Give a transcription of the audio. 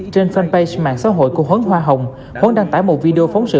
trên fanpage mạng xã hội của huấn hoa hồng huấn đăng tải một video phóng sự